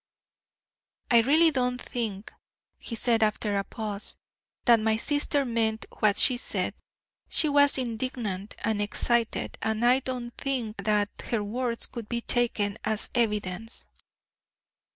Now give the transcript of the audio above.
"I really don't think," he said after a pause, "that my sister meant what she said. She was indignant and excited, and I don't think that her words could be taken as evidence."